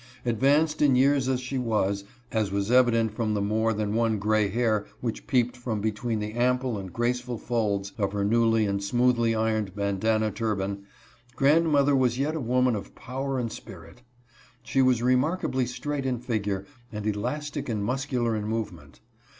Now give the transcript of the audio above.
Advanced in years as she was, as was evident from the more than one gray hair which peeped from between the ample and graceful folds of her newly and smoothly ironed bandana turban, grandmother was yet a woman of power and spirit. She was remark ably straight in figure, and elastic and muscular in move ment.